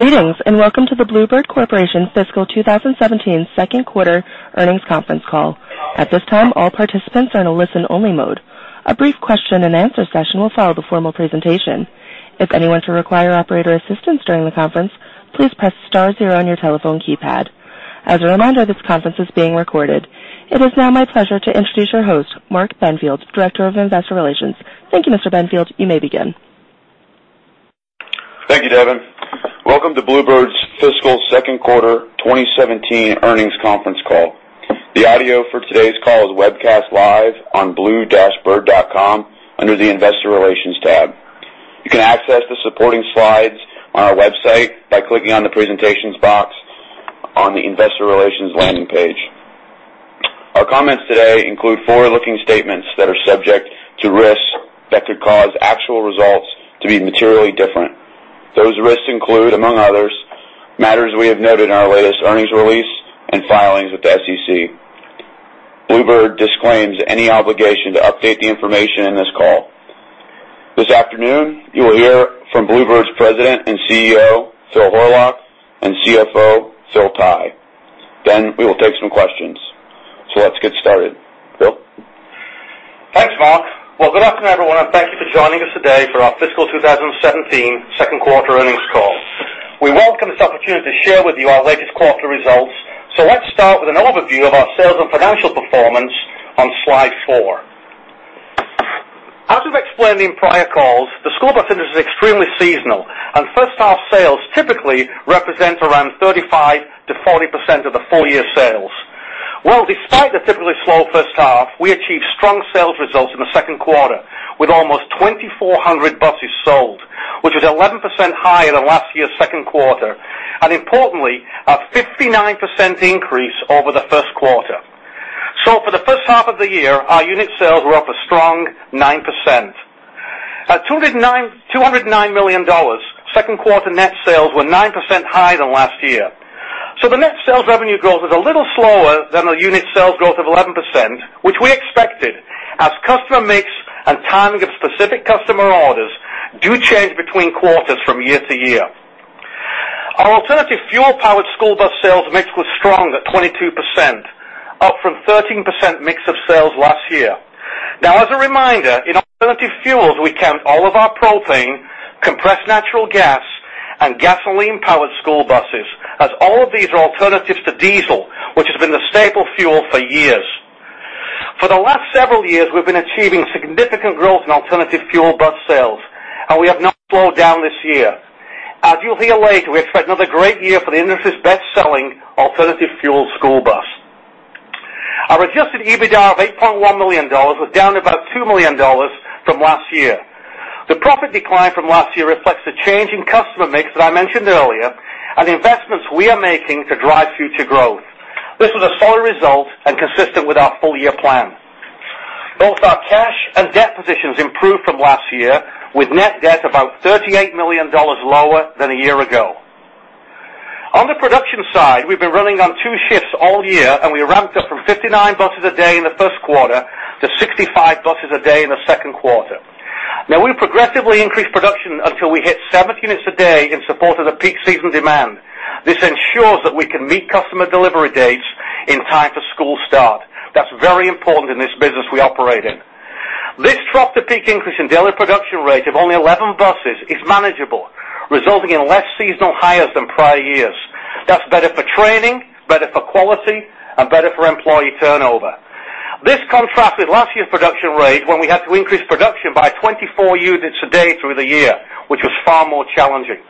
Greetings. Welcome to the Blue Bird Corporation Fiscal 2017 second quarter earnings conference call. At this time, all participants are in a listen-only mode. A brief question and answer session will follow the formal presentation. If anyone should require operator assistance during the conference, please press star zero on your telephone keypad. As a reminder, this conference is being recorded. It is now my pleasure to introduce our host, Mark Benfield, Director of Investor Relations. Thank you, Mr. Benfield. You may begin. Thank you, Devon. Welcome to Blue Bird's fiscal second quarter 2017 earnings conference call. The audio for today's call is webcast live on blue-bird.com under the Investor Relations tab. You can access the supporting slides on our website by clicking on the Presentations box on the Investor Relations landing page. Our comments today include forward-looking statements that are subject to risks that could cause actual results to be materially different. Those risks include, among others, matters we have noted in our latest earnings release and filings with the SEC. Blue Bird disclaims any obligation to update the information in this call. This afternoon, you will hear from Blue Bird's President and CEO, Phil Horlock, and CFO, Phil Tighe. We will take some questions. Let's get started. Phil? Thanks, Mark. Good afternoon, everyone, and thank you for joining us today for our fiscal 2017 second quarter earnings call. We welcome this opportunity to share with you our latest quarterly results. Let's start with an overview of our sales and financial performance on slide four. As we've explained in prior calls, the school bus business is extremely seasonal, and first-half sales typically represent around 35%-40% of the full year sales. Despite the typically slow first half, we achieved strong sales results in the second quarter with almost 2,400 buses sold, which is 11% higher than last year's second quarter, and importantly, a 59% increase over the first quarter. For the first half of the year, our unit sales were up a strong 9%. At $209 million, second quarter net sales were 9% higher than last year. The net sales revenue growth is a little slower than the unit sales growth of 11%, which we expected, as customer mix and timing of specific customer orders do change between quarters from year to year. Our alternative fuel-powered school bus sales mix was strong at 22%, up from 13% mix of sales last year. As a reminder, in alternative fuels, we count all of our propane, compressed natural gas, and gasoline-powered school buses, as all of these are alternatives to diesel, which has been the staple fuel for years. For the last several years, we've been achieving significant growth in alternative fuel bus sales, and we have not slowed down this year. As you'll hear later, we expect another great year for the industry's best-selling alternative fuel school bus. Our adjusted EBITDA of $8.1 million was down about $2 million from last year. The profit decline from last year reflects the change in customer mix that I mentioned earlier and the investments we are making to drive future growth. This was a solid result and consistent with our full-year plan. Both our cash and debt positions improved from last year, with net debt about $38 million lower than a year ago. On the production side, we've been running on two shifts all year, and we ramped up from 59 buses a day in the first quarter to 65 buses a day in the second quarter. We progressively increase production until we hit 70 units a day in support of the peak season demand. This ensures that we can meet customer delivery dates in time for school start. That's very important in this business we operate in. This drop to peak increase in daily production rate of only 11 buses is manageable, resulting in less seasonal hires than prior years. That's better for training, better for quality, and better for employee turnover. This contrasted last year's production rate when we had to increase production by 24 units a day through the year, which was far more challenging.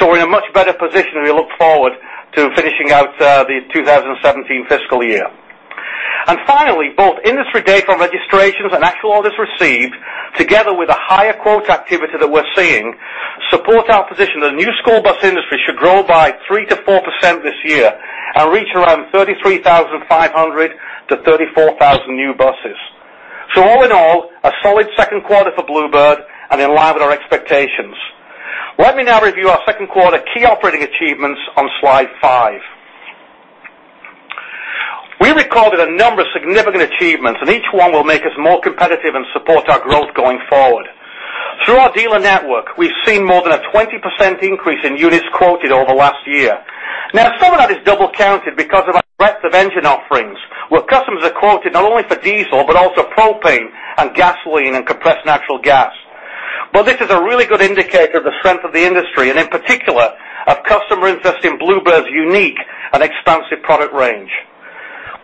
We're in a much better position, and we look forward to finishing out the 2017 fiscal year. Finally, both industry data on registrations and actual orders received, together with the higher quote activity that we're seeing, support our position that the new school bus industry should grow by 3%-4% this year and reach around 33,500-34,000 new buses. All in all, a solid second quarter for Blue Bird and in line with our expectations. Let me now review our second quarter key operating achievements on slide five. We recorded a number of significant achievements, and each one will make us more competitive and support our growth going forward. Through our dealer network, we've seen more than a 20% increase in units quoted over last year. Some of that is double-counted because of our breadth of engine offerings, where customers are quoted not only for diesel but also propane and gasoline and compressed natural gas. This is a really good indicator of the strength of the industry, and in particular, of customer interest in Blue Bird's unique and expansive product range.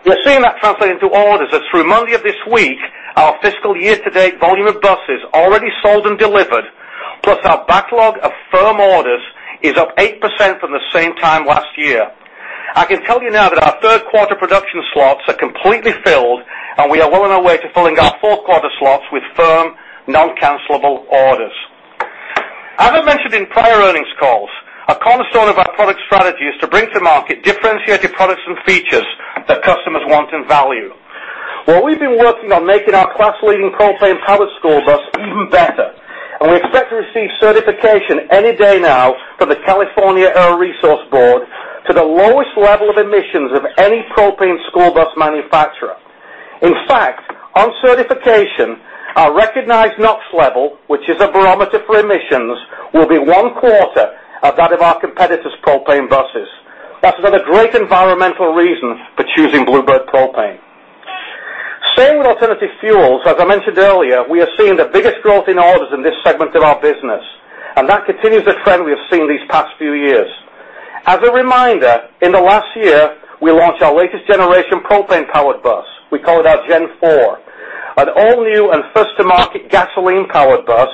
We're seeing that translate into orders as through Monday of this week, our fiscal year-to-date volume of buses already sold and delivered, plus our backlog of firm orders, is up 8% from the same time last year. I can tell you now that our third quarter production slots are completely filled, and we are well on our way to filling our fourth quarter slots with firm, non-cancelable orders. As I mentioned in prior earnings calls, a cornerstone of our product strategy is to bring to market differentiated products and features that customers want and value. We've been working on making our class-leading propane-powered school bus even better, and we expect to receive certification any day now from the California Air Resources Board to the lowest level of emissions of any propane school bus manufacturer. In fact, on certification, our recognized NOx level, which is a barometer for emissions, will be one quarter of that of our competitors' propane buses. That's another great environmental reason for choosing Blue Bird propane. Staying with alternative fuels, as I mentioned earlier, we are seeing the biggest growth in orders in this segment of our business, that continues a trend we have seen these past few years. As a reminder, in the last year, we launched our latest generation propane-powered bus, we call it our Gen 4, an all-new and first-to-market gasoline-powered bus,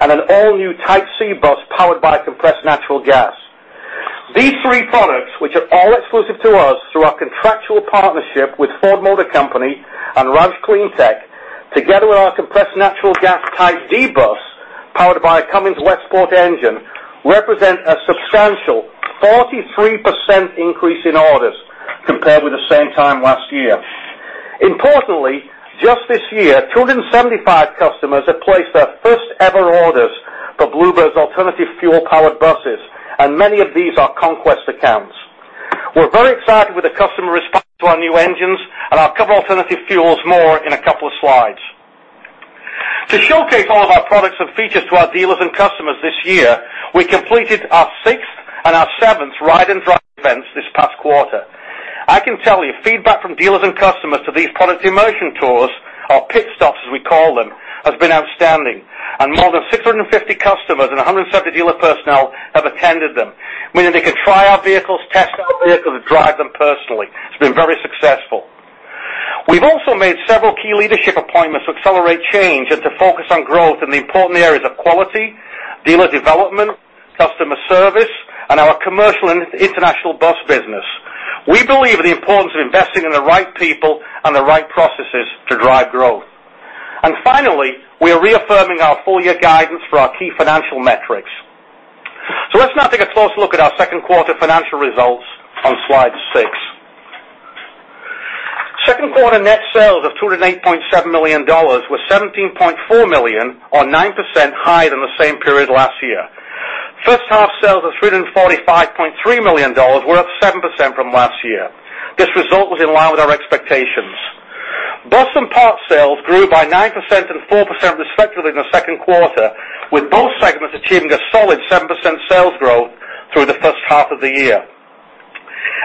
and an all-new Type C bus powered by compressed natural gas. These three products, which are all exclusive to us through our contractual partnership with Ford Motor Company and ROUSH CleanTech, together with our compressed natural gas Type D bus powered by a Cummins Westport engine, represent a substantial 43% increase in orders compared with the same time last year. Importantly, just this year, 275 customers have placed their first-ever orders for Blue Bird's alternative fuel-powered buses, many of these are conquest accounts. We're very excited with the customer response to our new engines, I'll cover alternative fuels more in a couple of slides. To showcase all of our products and features to our dealers and customers this year, we completed our sixth and our seventh ride-and-drive events this past quarter. I can tell you, feedback from dealers and customers to these product immersion tours or pit stops, as we call them, has been outstanding. More than 650 customers and 170 dealer personnel have attended them, meaning they could try our vehicles, test our vehicles, and drive them personally. It's been very successful. We've also made several key leadership appointments to accelerate change and to focus on growth in the important areas of quality, dealer development, customer service, and our commercial and international bus business. We believe in the importance of investing in the right people and the right processes to drive growth. Finally, we are reaffirming our full-year guidance for our key financial metrics. Let's now take a closer look at our second quarter financial results on slide six. Second quarter net sales of $208.7 million were $17.4 million, or 9% higher than the same period last year. First half sales of $345.3 million were up 7% from last year. This result was in line with our expectations. Bus and parts sales grew by 9% and 4%, respectively, in the second quarter, with both segments achieving a solid 7% sales growth through the first half of the year.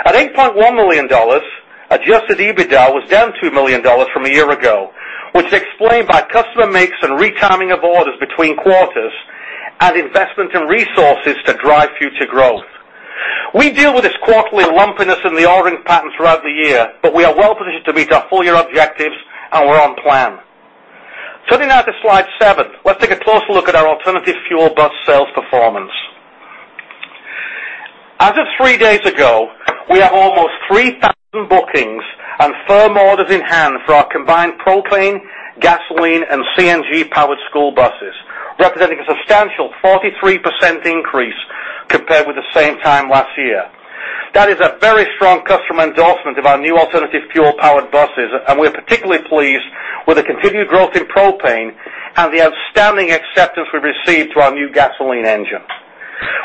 At $8.1 million, adjusted EBITDA was down $2 million from a year ago, which is explained by customer mix and retiming of orders between quarters and investment in resources to drive future growth. We deal with this quarterly lumpiness in the ordering pattern throughout the year, we are well-positioned to meet our full-year objectives and we're on plan. Turning now to slide seven, let's take a closer look at our alternative fuel bus sales performance. As of three days ago, we have almost 3,000 bookings and firm orders in hand for our combined propane, gasoline, and CNG-powered school buses, representing a substantial 43% increase compared with the same time last year. That is a very strong customer endorsement of our new alternative fuel-powered buses, we're particularly pleased with the continued growth in propane and the outstanding acceptance we've received to our new gasoline engine.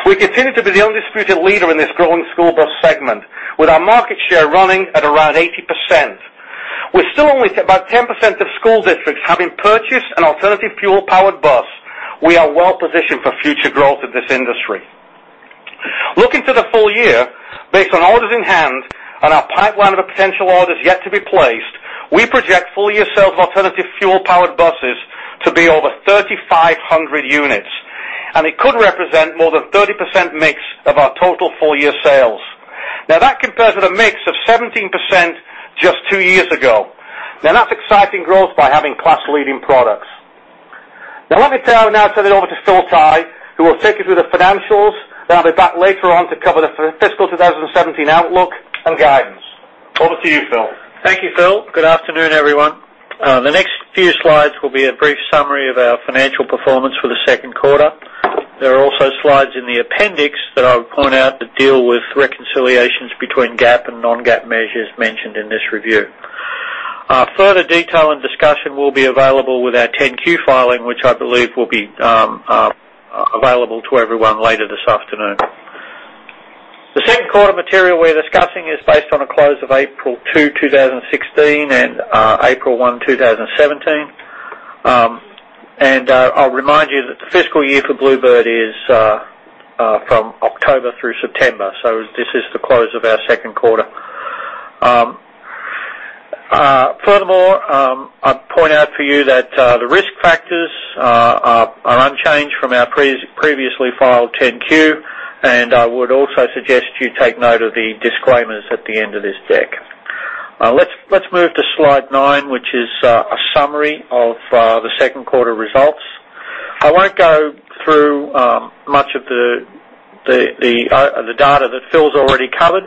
We continue to be the undisputed leader in this growing school bus segment, with our market share running at around 80%. With still only about 10% of school districts having purchased an alternative fuel-powered bus, we are well-positioned for future growth in this industry. Looking to the full year, based on orders in hand and our pipeline of potential orders yet to be placed, we project full year sales of alternative fuel-powered buses to be over 3,500 units, and it could represent more than 30% mix of our total full-year sales. That compares with a mix of 17% just two years ago. That's exciting growth by having class-leading products. Let me now turn it over to Phil Tighe, who will take you through the financials. I'll be back later on to cover the fiscal 2017 outlook and guidance. Over to you, Phil. Thank you, Phil. Good afternoon, everyone. The next few slides will be a brief summary of our financial performance for the second quarter. There are also slides in the appendix that I would point out that deal with reconciliations between GAAP and non-GAAP measures mentioned in this review. Further detail and discussion will be available with our 10-Q filing, which I believe will be available to everyone later this afternoon. The second quarter material we're discussing is based on a close of April 2, 2016 and April 1, 2017. I'll remind you that the fiscal year for Blue Bird is from October through September, so this is the close of our second quarter. Furthermore, I'd point out for you that the risk factors are unchanged from our previously filed 10-Q, I would also suggest you take note of the disclaimers at the end of this deck. Let's move to slide nine, which is a summary of the second quarter results. I won't go through much of the data that Phil's already covered.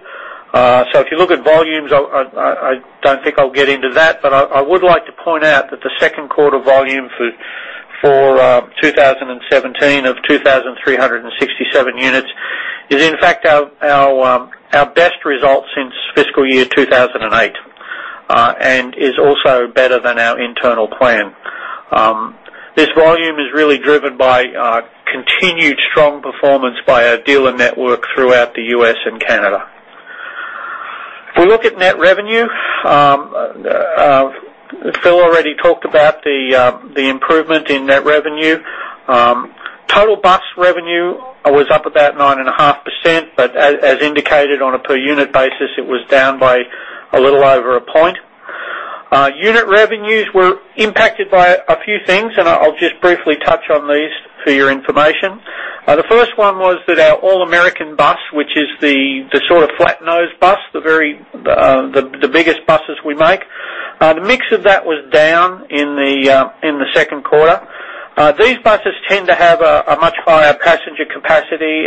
If you look at volumes, I don't think I'll get into that, but I would like to point out that the second quarter volume for 2017 of 2,367 units is, in fact, our best result since fiscal year 2008, and is also better than our internal plan. This volume is really driven by continued strong performance by our dealer network throughout the U.S. and Canada. If we look at net revenue, Phil already talked about the improvement in net revenue. Total bus revenue was up about 9.5%, but as indicated on a per-unit basis, it was down by a little over a point. Unit revenues were impacted by a few things, I'll just briefly touch on these for your information. The first one was that our All American bus, which is the sort of flat-nose bus, the biggest buses we make. The mix of that was down in the second quarter. These buses tend to have a much higher passenger capacity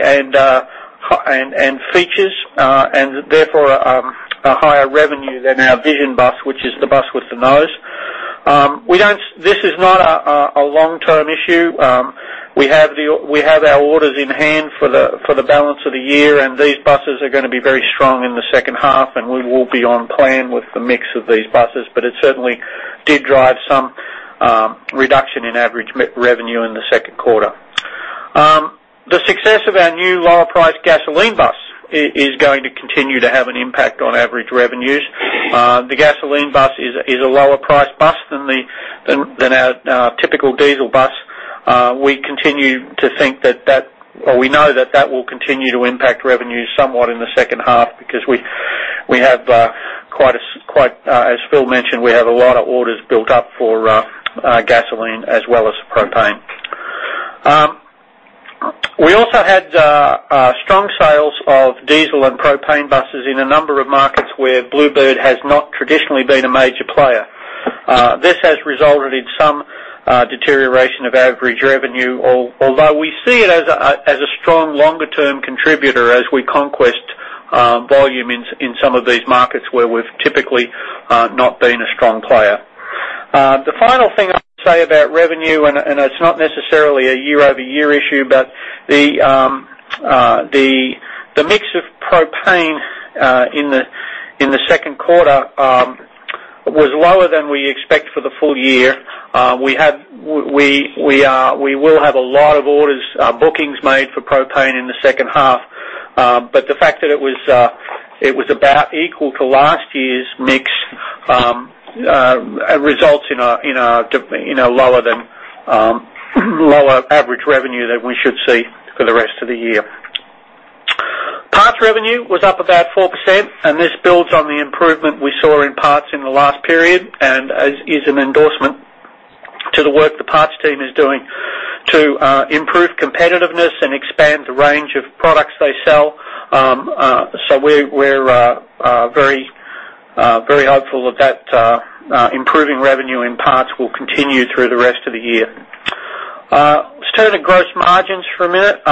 and features, and therefore, a higher revenue than our Vision bus, which is the bus with the nose. This is not a long-term issue. We have our orders in hand for the balance of the year, these buses are going to be very strong in the second half, we will be on plan with the mix of these buses. It certainly did drive some reduction in average revenue in the second quarter. The success of our new lower-priced gasoline bus is going to continue to have an impact on average revenues. The gasoline bus is a lower-priced bus than our typical diesel bus. We know that will continue to impact revenues somewhat in the second half because as Phil mentioned, we have a lot of orders built up for gasoline as well as propane. We also had strong sales of diesel and propane buses in a number of markets where Blue Bird has not traditionally been a major player. This has resulted in some deterioration of average revenue, although we see it as a strong longer-term contributor as we conquest volume in some of these markets where we've typically not been a strong player. The final thing I'd say about revenue, it's not necessarily a year-over-year issue, but the mix of propane in the second quarter was lower than we expect for the full year. We will have a lot of orders, bookings made for propane in the second half. The fact that it was about equal to last year's mix results in a lower average revenue than we should see for the rest of the year. Parts revenue was up about 4%, and this builds on the improvement we saw in parts in the last period, and is an endorsement to the work the parts team is doing to improve competitiveness and expand the range of products they sell. We're very hopeful that that improving revenue in parts will continue through the rest of the year. Let's turn to gross margins for a minute.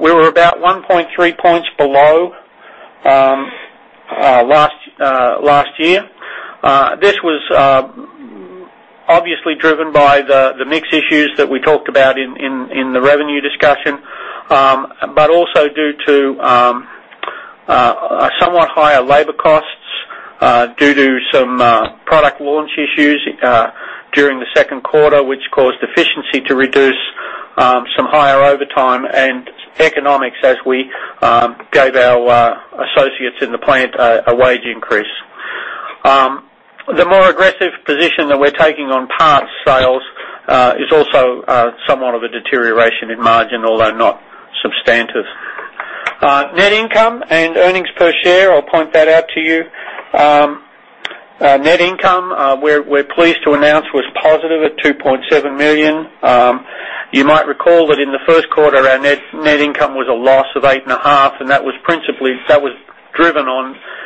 We were about 1.3 points below last year. This was obviously driven by the mix issues that we talked about in the revenue discussion. Also due to somewhat higher labor costs due to some product launch issues during the second quarter, which caused efficiency to reduce some higher overtime and economics as we gave our associates in the plant a wage increase. The more aggressive position that we're taking on parts sales is also somewhat of a deterioration in margin, although not substantive. Net income and earnings per share, I'll point that out to you. Net income, we're pleased to announce, was positive at $2.7 million. You might recall that in the first quarter, our net income was a loss of $8.5 million, and that was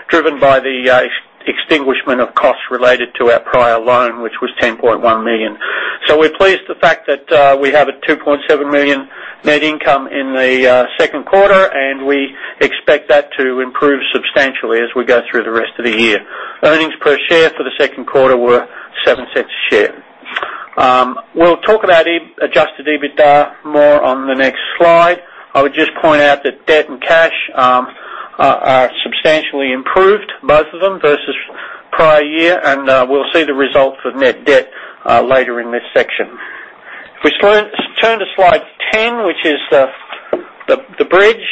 driven by the extinguishment of costs related to our prior loan, which was $10.1 million. We're pleased with the fact that we have a $2.7 million net income in the second quarter, and we expect that to improve substantially as we go through the rest of the year. Earnings per share for the second quarter were $0.07 a share. We'll talk about adjusted EBITDA more on the next slide. I would just point out that debt and cash are substantially improved, both of them, versus prior year, and we'll see the results of net debt later in this section. If we turn to slide 10, which is the bridge,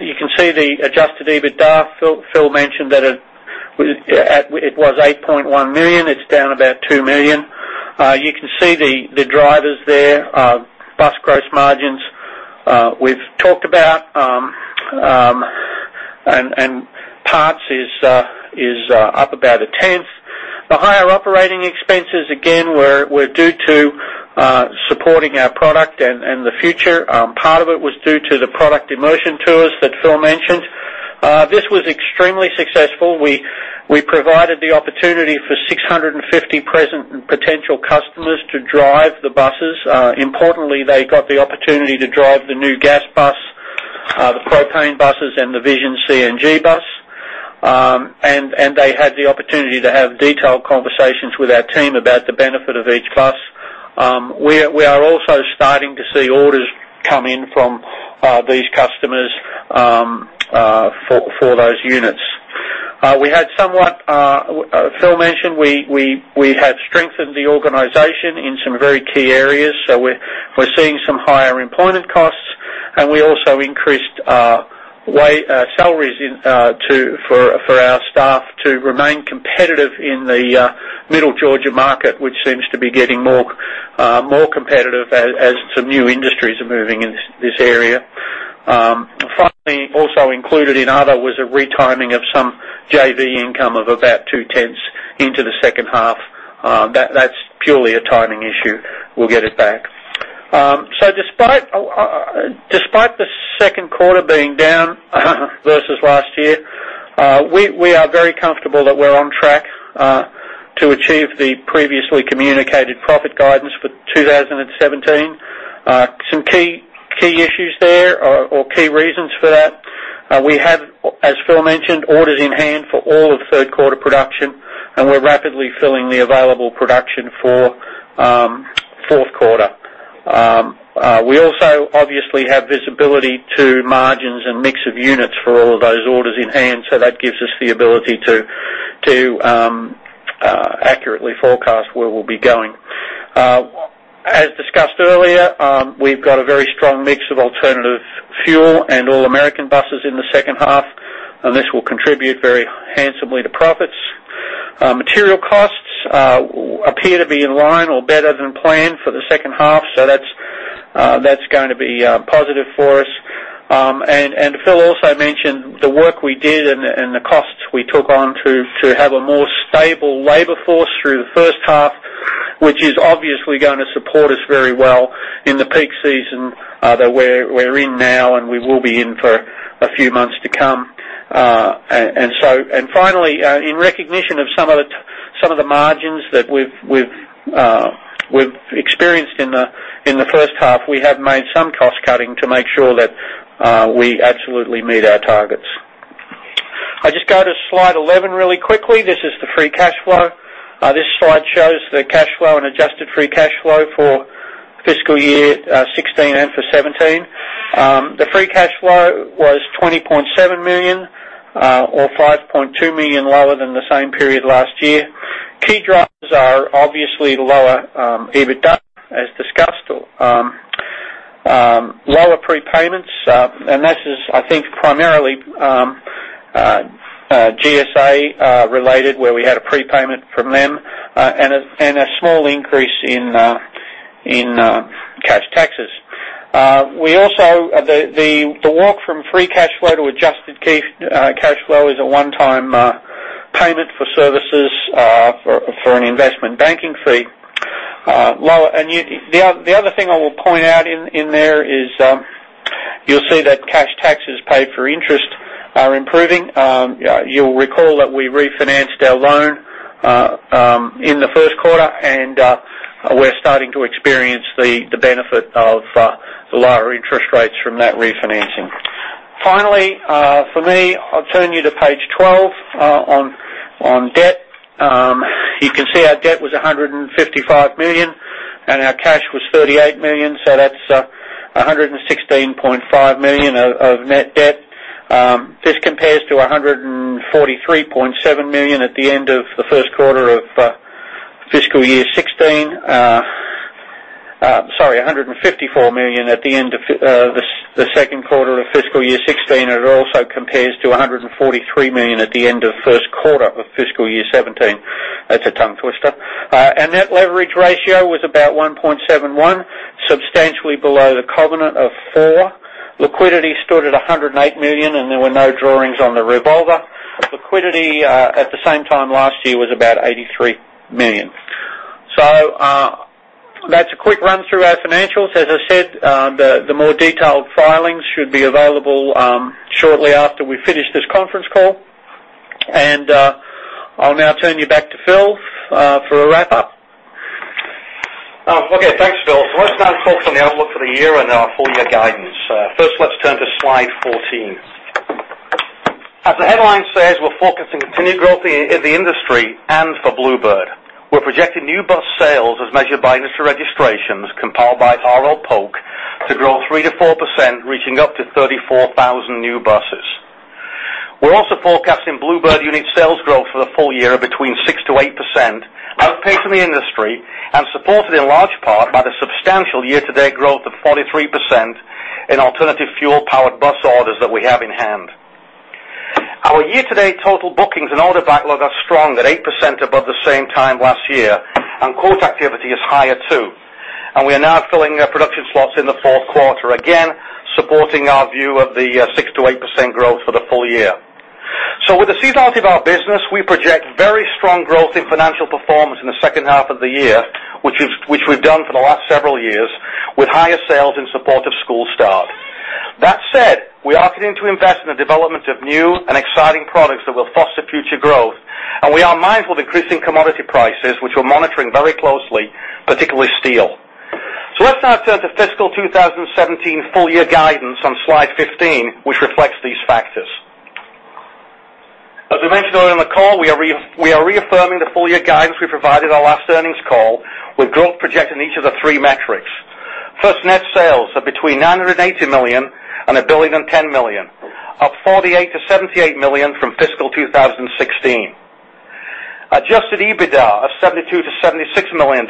you can see the adjusted EBITDA. Phil mentioned that it was $8.1 million. It's down about $2 million. You can see the drivers there. Bus gross margins we've talked about, parts is up about a tenth. The higher operating expenses, again, were due to supporting our product and the future. Part of it was due to the product immersion tours that Phil mentioned. This was extremely successful. We provided the opportunity for 650 present and potential customers to drive the buses. Importantly, they got the opportunity to drive the new gas bus, the propane buses, and the Vision CNG bus. They had the opportunity to have detailed conversations with our team about the benefit of each bus. We are also starting to see orders come in from these customers for those units Phil mentioned we have strengthened the organization in some very key areas. We're seeing some higher employment costs, and we also increased our salaries for our staff to remain competitive in the Middle Georgia market, which seems to be getting more competitive as some new industries are moving in this area. Finally, also included in other was a retiming of some JV income of about two-tenths into the second half. That's purely a timing issue. We'll get it back. Despite the second quarter being down versus last year, we are very comfortable that we're on track to achieve the previously communicated profit guidance for 2017. Some key issues there or key reasons for that, we have, as Phil mentioned, orders in hand for all of third quarter production, and we're rapidly filling the available production for fourth quarter. We also obviously have visibility to margins and mix of units for all of those orders in hand, so that gives us the ability to accurately forecast where we'll be going. As discussed earlier, we've got a very strong mix of alternative fuel and All American buses in the second half, and this will contribute very handsomely to profits. Material costs appear to be in line or better than planned for the second half, that's going to be positive for us. Phil also mentioned the work we did and the costs we took on to have a more stable labor force through the first half, which is obviously going to support us very well in the peak season that we're in now and we will be in for a few months to come. Finally, in recognition of some of the margins that we've experienced in the first half, we have made some cost-cutting to make sure that we absolutely meet our targets. I'll just go to slide 11 really quickly. This is the free cash flow. This slide shows the cash flow and adjusted free cash flow for fiscal year 2016 and for 2017. The free cash flow was $20.7 million, or $5.2 million lower than the same period last year. Key drivers are obviously lower EBITDA, as discussed. Lower prepayments, and this is, I think, primarily GSA-related, where we had a prepayment from them, and a small increase in cash taxes. The walk from free cash flow to adjusted cash flow is a one-time payment for services for an investment banking fee. The other thing I will point out in there is you'll see that cash taxes paid for interest are improving. You'll recall that we refinanced our loan in the first quarter, and we're starting to experience the benefit of the lower interest rates from that refinancing. Finally, for me, I'll turn you to page 12 on debt. You can see our debt was $155 million, and our cash was $38 million, so that's $116.5 million of net debt. This compares to $143.7 million at the end of the first quarter of fiscal year 2016. Sorry, $154 million at the end of the second quarter of fiscal year 2016, and it also compares to $143 million at the end of first quarter of fiscal year 2017. That's a tongue twister. Our net leverage ratio was about 1.71, substantially below the covenant of 4. Liquidity stood at $108 million, and there were no drawings on the revolver. Liquidity at the same time last year was about $83 million. That's a quick run-through our financials. As I said, the more detailed filings should be available shortly after we finish this conference call. I'll now turn you back to Phil for a wrap-up. Okay, thanks, Phil. Let's now talk on the outlook for the year and our full-year guidance. First, let's turn to slide 14. As the headline says, we're focusing continued growth in the industry and for Blue Bird. We're projecting new bus sales as measured by industry registrations compiled by R. L. Polk & Co. to grow 3%-4%, reaching up to 34,000 new buses. We're also forecasting Blue Bird unit sales growth for the full year of between 6%-8%, outpacing the industry and supported in large part by the substantial year-to-date growth of 43% in alternative fuel-powered bus orders that we have in hand. Our year-to-date total bookings and order backlog are strong at 8% above the same time last year. Quote activity is higher, too. We are now filling production slots in the fourth quarter, again, supporting our view of the 6%-8% growth for the full year. With the seasonality of our business, we project very strong growth in financial performance in the second half of the year, which we've done for the last several years with higher sales in support of school start. That said, we are continuing to invest in the development of new and exciting products that will foster future growth, and we are mindful of increasing commodity prices, which we're monitoring very closely, particularly steel. Let's now turn to fiscal 2017 full-year guidance on slide 15, which reflects these factors. As we mentioned earlier in the call, we are reaffirming the full-year guidance we provided our last earnings call with growth projected in each of the three metrics. First, net sales of between $980 million and $1.01 billion, up $48 million-$78 million from fiscal 2016. Adjusted EBITDA of $72 million-$76 million,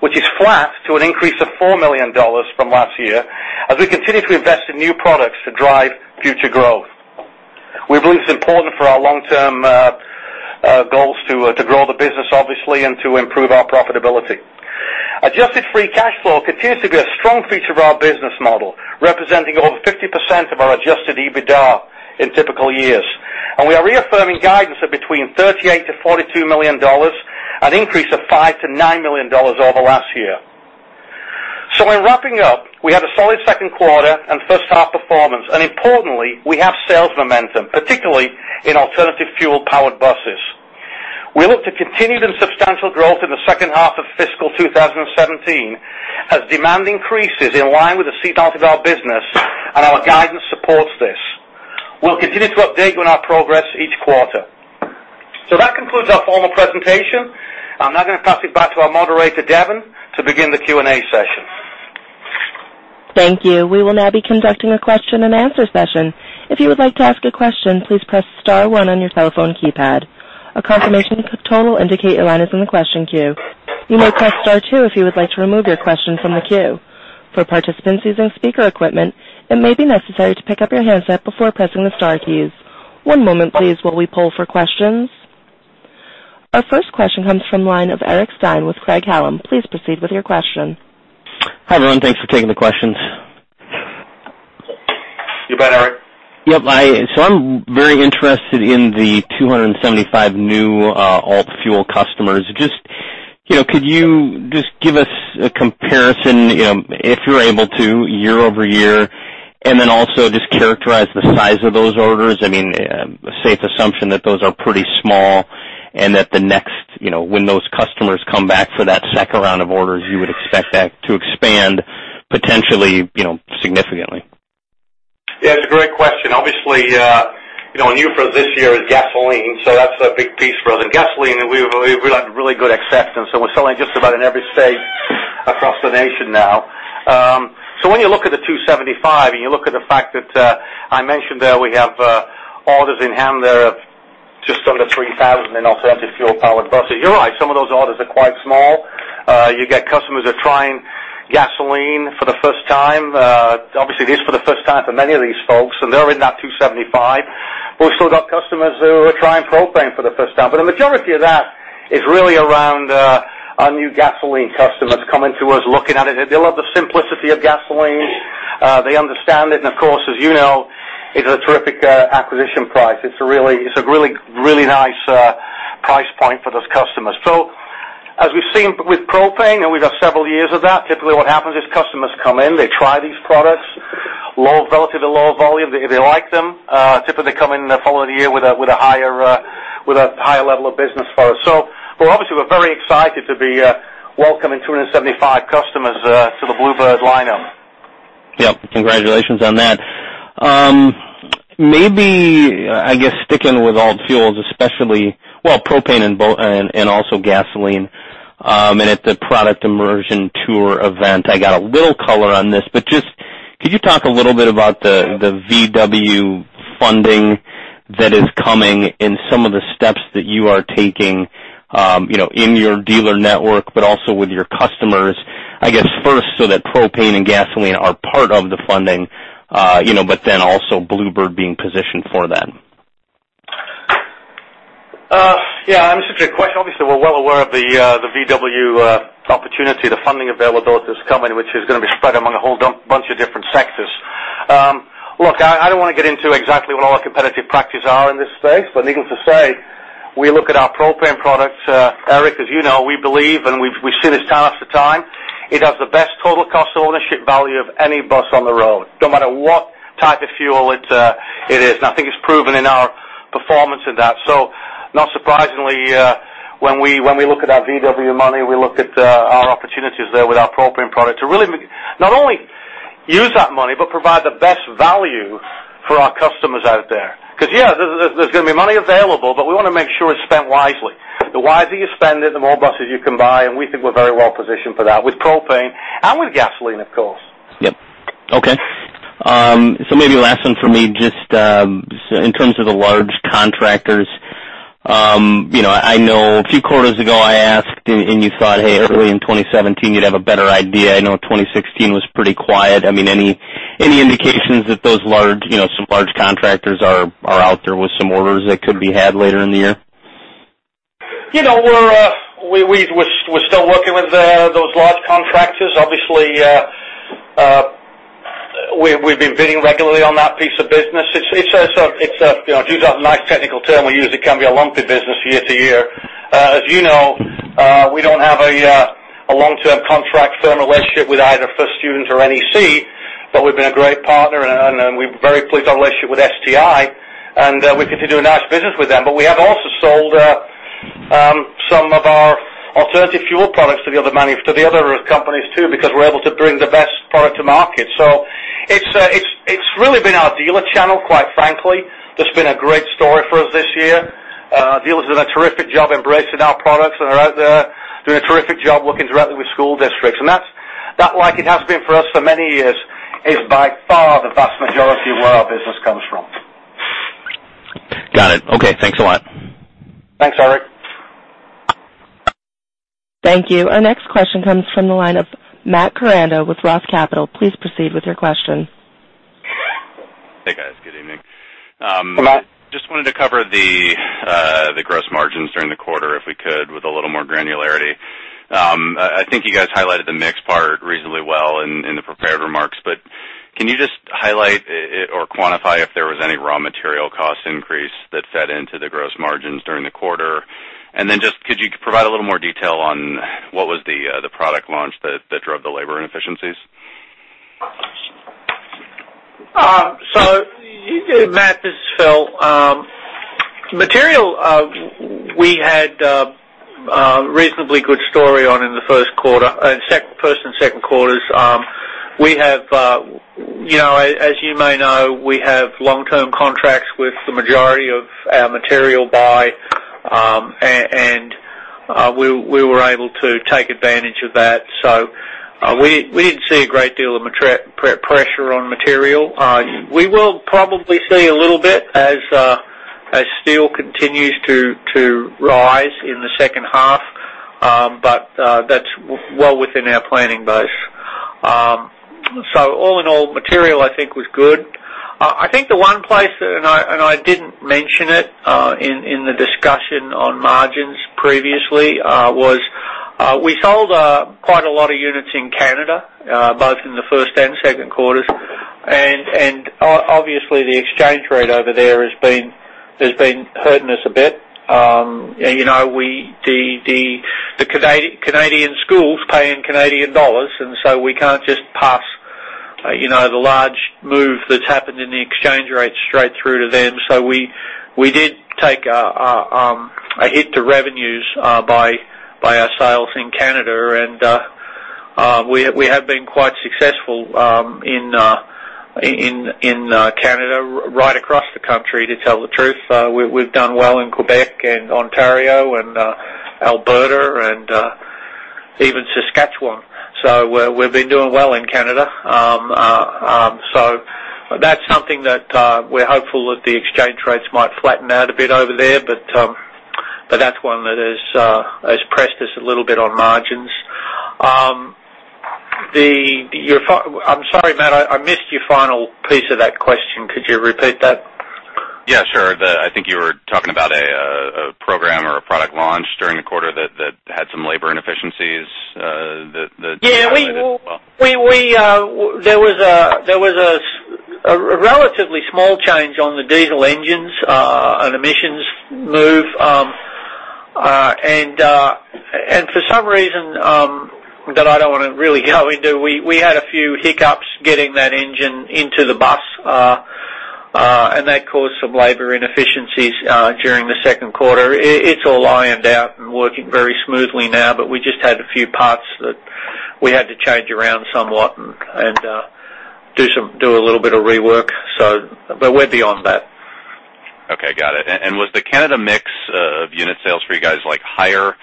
which is flat to an increase of $4 million from last year, as we continue to invest in new products to drive future growth. We believe it's important for our long-term goals to grow the business, obviously, and to improve our profitability. Adjusted free cash flow continues to be a strong feature of our business model, representing over 50% of our Adjusted EBITDA in typical years. We are reaffirming guidance of between $38 million-$42 million, an increase of $5 million-$9 million over last year. In wrapping up, we had a solid second quarter and first half performance. Importantly, we have sales momentum, particularly in alternative fuel powered buses. We look to continued and substantial growth in the second half of fiscal 2017 as demand increases in line with the season out of our business and our guidance supports this. We'll continue to update you on our progress each quarter. That concludes our formal presentation. I'm now going to pass it back to our moderator, Devon, to begin the Q&A session. Thank you. We will now be conducting a question and answer session. If you would like to ask a question, please press *1 on your telephone keypad. A confirmation tone will indicate your line is in the question queue. You may press *2 if you would like to remove your question from the queue. For participants using speaker equipment, it may be necessary to pick up your handset before pressing the star keys. One moment please while we poll for questions. Our first question comes from line of Eric Stine with Craig-Hallum. Please proceed with your question. Hi, everyone. Thanks for taking the questions. You bet, Eric. Yep. I'm very interested in the 275 new alt fuel customers. Could you just give us a comparison, if you're able to, year-over-year, and then also just characterize the size of those orders? A safe assumption that those are pretty small and that when those customers come back for that second round of orders, you would expect that to expand potentially significantly. It's a great question. Obviously, a new for us this year is gasoline, so that's a big piece for us. In gasoline, we've had really good acceptance and we're selling just about in every state across the nation now. When you look at the 275 and you look at the fact that I mentioned there we have orders in hand there of just under 3,000 in alternative fuel powered buses. You're right, some of those orders are quite small. You get customers that are trying gasoline for the first time. Obviously, it is for the first time for many of these folks, and they're in that 275. We've also got customers who are trying propane for the first time. The majority of that is really around our new gasoline customers coming to us looking at it. They love the simplicity of gasoline. They understand it. Of course, as you know, it's a terrific acquisition price. It's a really nice price point for those customers. As we've seen with propane, and we've got several years of that, typically what happens is customers come in, they try these products, relatively low volume. They like them. Typically come in the following year with a higher level of business for us. Obviously, we're very excited to be welcoming 275 customers to the Blue Bird lineup. Yep. Congratulations on that. Maybe, I guess sticking with alt fuels especially, well, propane and also gasoline. At the product immersion tour event, I got a little color on this, but just could you talk a little bit about the Volkswagen funding that is coming and some of the steps that you are taking in your dealer network, but also with your customers, I guess first so that propane and gasoline are part of the funding, but then also Blue Bird being positioned for that. Yeah. It's a great question. Obviously, we're well aware of the Volkswagen opportunity, the funding availability that's coming, which is going to be spread among a whole bunch of different sectors. Look, I don't want to get into exactly what all our competitive practices are in this space, but needless to say, we look at our propane products, Eric, as you know, we believe, and we've seen this time after time, it has the best total cost ownership value of any bus on the road, no matter what type of fuel it is. I think it's proven in our performance in that. Not surprisingly, when we look at our Volkswagen money, we look at our opportunities there with our propane product to really not only use that money, but provide the best value for our customers out there. Because, yeah, there's going to be money available, but we want to make sure it's spent wisely. The wiser you spend it, the more buses you can buy, we think we're very well positioned for that with propane and with gasoline, of course. Yep. Okay. Maybe last one for me, just in terms of the large contractors. I know a few quarters ago I asked, you thought, hey, early in 2017 you'd have a better idea. I know 2016 was pretty quiet. Any indications that some large contractors are out there with some orders that could be had later in the year? We're still working with those large contractors. Obviously, we've been bidding regularly on that piece of business. To use a nice technical term we use, it can be a lumpy business year to year. As you know, we don't have a long-term contract term relationship with either First Student or NEC, but we've been a great partner and we're very pleased with our relationship with STI, we continue to do a nice business with them. We have also sold some of our alternative fuel products to the other companies, too because we're able to bring the best product to market. It's It's really been our dealer channel, quite frankly. That's been a great story for us this year. Dealers have done a terrific job embracing our products, and are out there doing a terrific job working directly with school districts. That, like it has been for us for many years, is by far the vast majority of where our business comes from. Got it. Okay. Thanks a lot. Thanks, Eric. Thank you. Our next question comes from the line of Matt Koranda with ROTH Capital. Please proceed with your question. Hey, guys. Good evening. Matt. I just wanted to cover the gross margins during the quarter, if we could, with a little more granularity. I think you guys highlighted the mix part reasonably well in the prepared remarks. Can you just highlight or quantify if there was any raw material cost increase that fed into the gross margins during the quarter? Could you just provide a little more detail on what was the product launch that drove the labor inefficiencies? Matt, this is Phil. Material, we had a reasonably good story on in the first and second quarters. As you may know, we have long-term contracts with the majority of our material buy, and we were able to take advantage of that. We didn't see a great deal of pressure on material. We will probably see a little bit as steel continues to rise in the second half, but that's well within our planning base. All in all, material, I think was good. I think the one place, and I didn't mention it in the discussion on margins previously, was we sold quite a lot of units in Canada, both in the first and second quarters. Obviously, the exchange rate over there has been hurting us a bit. The Canadian schools pay in Canadian dollars, and so we can't just pass the large move that's happened in the exchange rate straight through to them. We did take a hit to revenues by our sales in Canada, and we have been quite successful in Canada, right across the country, to tell the truth. We've done well in Quebec and Ontario and Alberta and even Saskatchewan. We've been doing well in Canada. That's something that we're hopeful that the exchange rates might flatten out a bit over there, but that's one that has pressed us a little bit on margins. I'm sorry, Matt, I missed your final piece of that question. Could you repeat that? Yeah, sure. I think you were talking about a program or a product launch during the quarter that had some labor inefficiencies that impacted as well. There was a relatively small change on the diesel engines, an emissions move. For some reason that I don't want to really go into, we had a few hiccups getting that engine into the bus, and that caused some labor inefficiencies during the second quarter. It's all ironed out and working very smoothly now, but we just had a few parts that we had to change around somewhat and do a little bit of rework. We're beyond that. Okay, got it. Was the Canada mix of unit sales for you guys higher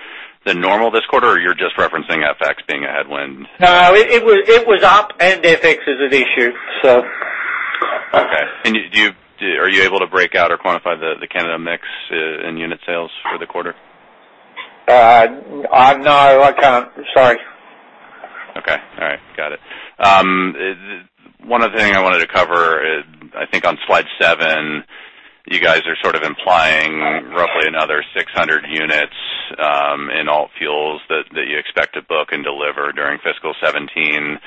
than normal this quarter, or you're just referencing FX being a headwind? No, it was up and FX is an issue. Okay. Are you able to break out or quantify the Canada mix in unit sales for the quarter? No, I can't. Sorry. Okay. All right. Got it. One other thing I wanted to cover, I think on slide seven, you guys are sort of implying roughly another 600 units in alt-fuels that you expect to book and deliver during fiscal 2017.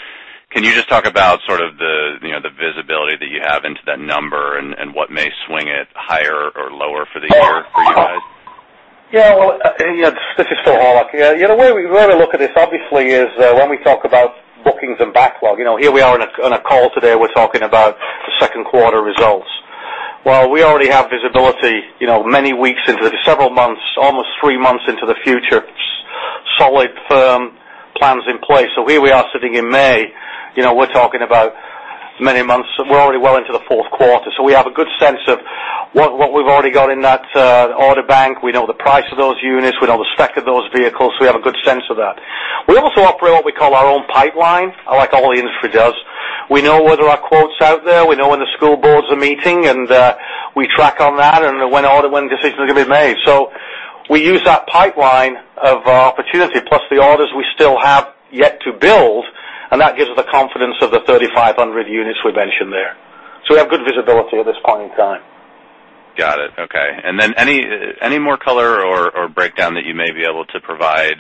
Can you just talk about sort of the visibility that you have into that number and what may swing it higher or lower for the year for you guys? Yeah. This is Phil Horlock. The way we look at this obviously is when we talk about bookings and backlog, here we are on a call today, we're talking about the second quarter results. Well, we already have visibility many weeks into several months, almost three months into the future. Solid, firm plans in place. Here we are sitting in May, we're talking about many months. We're already well into the fourth quarter. We have a good sense of what we've already got in that order bank. We know the price of those units, we know the spec of those vehicles. We have a good sense of that. We also operate what we call our own pipeline, like all the industry does. We know where there are quotes out there. We know when the school boards are meeting, and we track on that and when decisions are going to be made. We use that pipeline of opportunity plus the orders we still have yet to build, and that gives us the confidence of the 3,500 units we mentioned there. We have good visibility at this point in time. Got it. Okay. Any more color or breakdown that you may be able to provide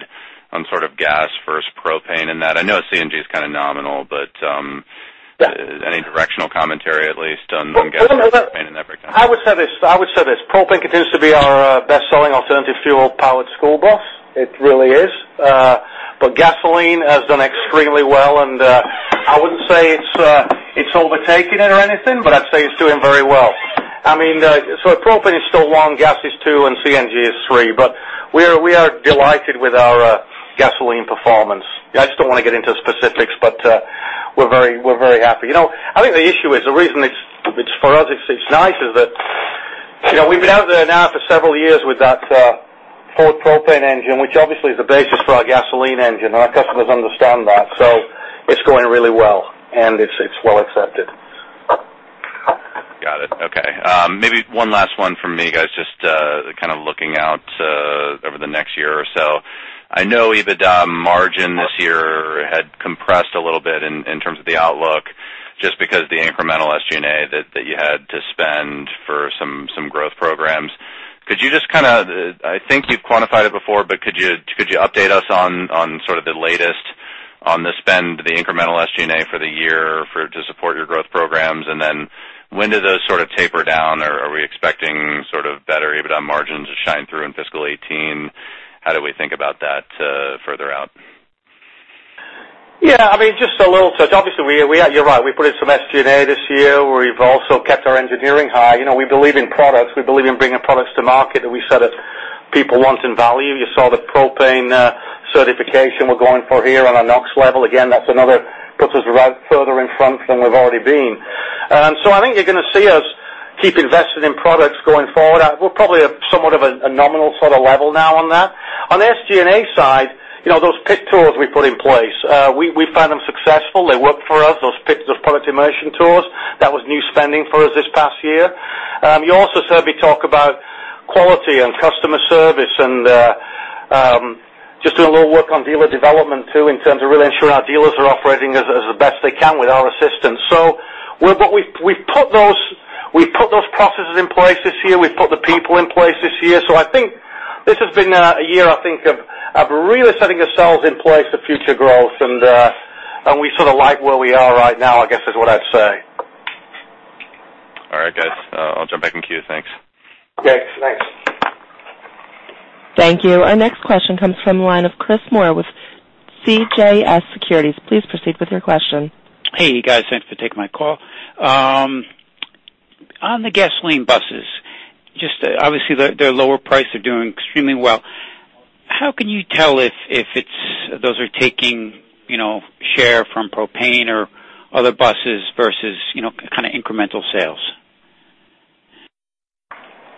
on sort of gas versus propane in that? I know CNG is kind of nominal, but any directional commentary at least on gas versus propane in that breakdown? I would say this: propane continues to be our best-selling alternative fuel-powered school bus. It really is. Gasoline has done extremely well and I wouldn't say it's overtaking it or anything, but I'd say it's doing very well. Propane is still one, gas is two, and CNG is three. We are delighted with our gasoline performance. I just don't want to get into specifics, but we're very happy. I think the issue is, the reason for us it's nice is that we've been out there now for several years with that Ford propane engine, which obviously is the basis for our gasoline engine, and our customers understand that. It's going really well, and it's well accepted. Got it. Okay. Maybe one last one from me, guys. Just looking out over the next year or so. I know EBITDA margin this year had compressed a little bit in terms of the outlook, just because of the incremental SG&A that you had to spend for some growth programs. I think you've quantified it before, could you update us on the latest on the spend, the incremental SG&A for the year to support your growth programs, and then when do those taper down? Are we expecting better EBITDA margins to shine through in fiscal 2018? How do we think about that further out? Yeah. Just a little touch. Obviously, you're right. We put in some SG&A this year. We've also kept our engineering high. We believe in products. We believe in bringing products to market that we said people want and value. You saw the propane certification we're going for here on a NOx level. Again, that puts us right further in front than we've already been. I think you're going to see us keep investing in products going forward. We're probably at somewhat of a nominal level now on that. On the SG&A side, those PIT tools we put in place, we found them successful. They work for us, those PIT, those product immersion tools. That was new spending for us this past year. You also heard me talk about quality and customer service and just doing a little work on dealer development, too, in terms of really ensuring our dealers are operating as best they can with our assistance. We've put those processes in place this year. We've put the people in place this year. I think this has been a year of really setting the sails in place for future growth. We sort of like where we are right now, I guess, is what I'd say. All right, guys. I'll jump back in queue. Thanks. Okay. Thanks. Thank you. Our next question comes from the line of Chris Moore with CJS Securities. Please proceed with your question. Hey, you guys. Thanks for taking my call. On the gasoline buses, just obviously they're lower price, they're doing extremely well. How can you tell if those are taking share from propane or other buses versus incremental sales?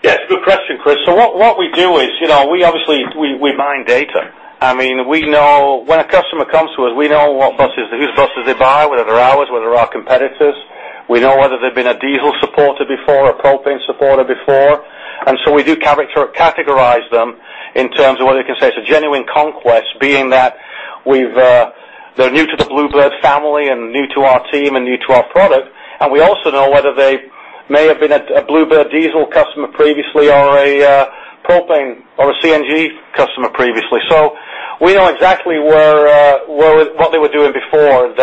Yeah. It's a good question, Chris. What we do is we mine data. When a customer comes to us, we know whose buses they buy, whether they're ours, whether they're our competitors. We know whether they've been a diesel supporter before, a propane supporter before. We do categorize them in terms of whether you can say it's a genuine conquest, being that they're new to the Blue Bird family and new to our team and new to our product. We also know whether they may have been a Blue Bird diesel customer previously or a propane or a CNG customer previously. We know exactly what they were doing before.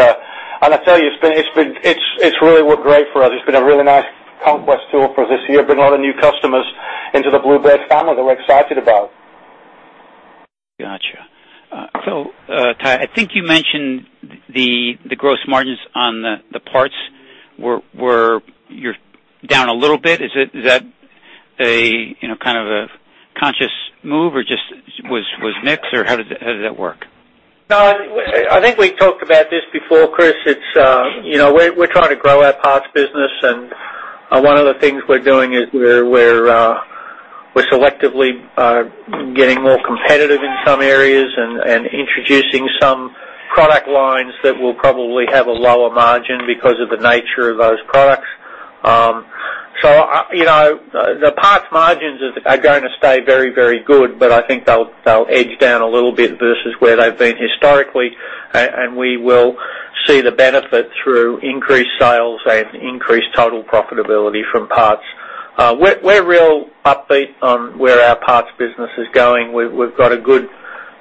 I tell you, it's really worked great for us. It's been a really nice conquest tool for this year, bring a lot of new customers into the Blue Bird family that we're excited about. Got you. Tighe, I think you mentioned the gross margins on the parts were down a little bit. Is that a conscious move, or just was mix, or how does that work? No, I think we talked about this before, Chris. We're trying to grow our parts business, and one of the things we're doing is we're selectively getting more competitive in some areas and introducing some product lines that will probably have a lower margin because of the nature of those products. The parts margins are going to stay very good, but I think they'll edge down a little bit versus where they've been historically, and we will see the benefit through increased sales and increased total profitability from parts. We're real upbeat on where our parts business is going. We've got a good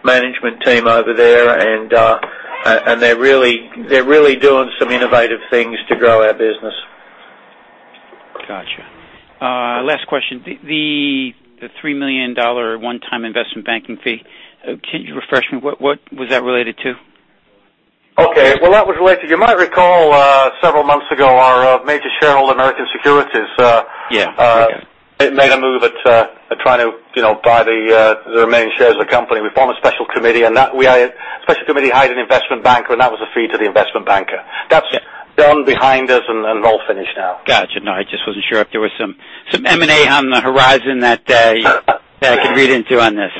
management team over there, and they're really doing some innovative things to grow our business. Got you. Last question. The $3 million one-time investment banking fee, can you refresh me? What was that related to? Okay. Well, that was related to, you might recall, several months ago, our major shareholder, American Securities. Yeah. Okay. made a move at trying to buy the remaining shares of the company. We formed a special committee. The special committee hired an investment banker. That was a fee to the investment banker. Yeah. That's done behind us and all finished now. Got you. No, I just wasn't sure if there was some M&A on the horizon that I could read into on this.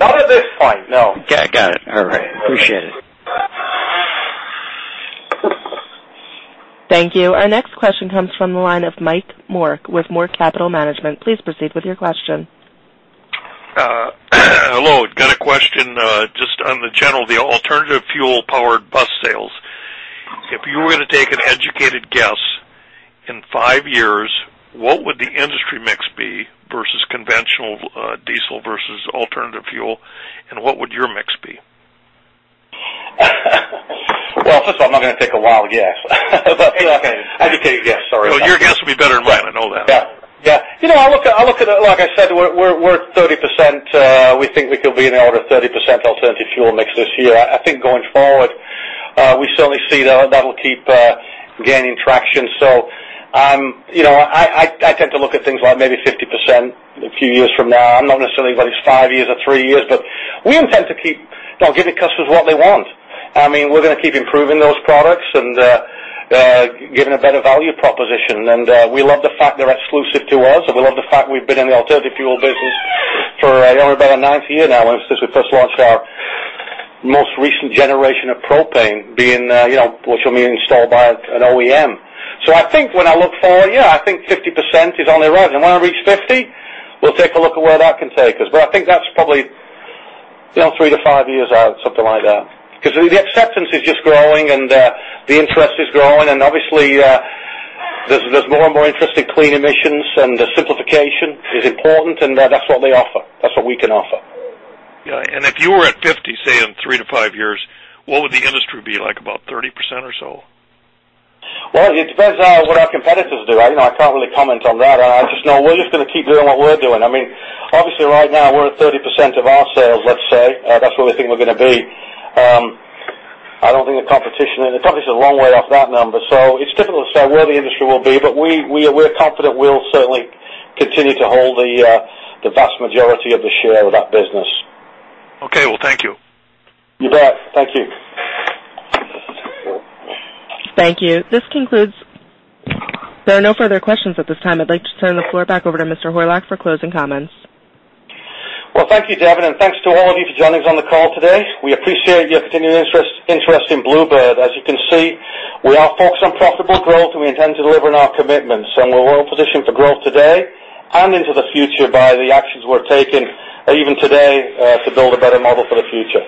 Not at this point, no. Got it. All right. Appreciate it. Thank you. Our next question comes from the line of Mike Morick with Merion Capital Management. Please proceed with your question. Hello. Got a question just on the general, the alternative fuel-powered bus sales. If you were going to take an educated guess, in five years, what would the industry mix be versus conventional diesel versus alternative fuel, and what would your mix be? Well, first of all, I'm not going to take a wild guess. Okay, I can take a guess. Sorry about that. No, your guess will be better than mine. I know that. Yeah. I look at it, like I said, we're 30%. We think we could be in the order of 30% alternative fuel mix this year. I think going forward. We certainly see that'll keep gaining traction. I tend to look at things like maybe 50% a few years from now. I'm not necessarily whether it's five years or three years, we intend to keep giving customers what they want. We're going to keep improving those products and giving a better value proposition. We love the fact they're exclusive to us, and we love the fact we've been in the alternative fuel business for about a ninth year now, since we first launched our most recent generation of propane, which will be installed by an OEM. I think when I look forward, I think 50% is on the rise. When I reach 50, we'll take a look at where that can take us. I think that's probably three to five years out, something like that. Because the acceptance is just growing and the interest is growing, and obviously there's more and more interest in clean emissions, and the simplification is important, and that's what we offer. That's what we can offer. If you were at 50%, say, in three to five years, what would the industry be, like about 30% or so? Well, it depends what our competitors do. I can't really comment on that. I just know we're just going to keep doing what we're doing. Obviously, right now, we're at 30% of our sales, let's say. That's where we think we're going to be. I don't think the competition's a long way off that number. It's difficult to say where the industry will be, but we're confident we'll certainly continue to hold the vast majority of the share of that business. Okay. Well, thank you. You bet. Thank you. Thank you. There are no further questions at this time. I'd like to turn the floor back over to Mr. Horlock for closing comments. Well, thank you, Devin, thanks to all of you for joining us on the call today. We appreciate your continued interest in Blue Bird. As you can see, we are focused on profitable growth, we intend to deliver on our commitments. We're well-positioned for growth today and into the future by the actions we're taking even today to build a better model for the future.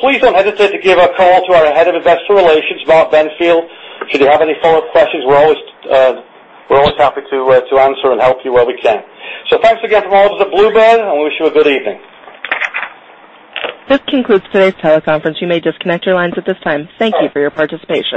Please don't hesitate to give a call to our Head of Investor Relations, Mark Benfield, should you have any follow-up questions. We're always happy to answer and help you where we can. Thanks again from all of us at Blue Bird, we wish you a good evening. This concludes today's teleconference. You may disconnect your lines at this time. Thank you for your participation.